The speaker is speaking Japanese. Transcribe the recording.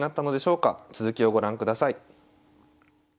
続きをご覧ください。